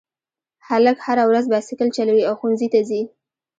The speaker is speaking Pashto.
هلک هره ورځ بایسکل چلوي او ښوونځي ته ځي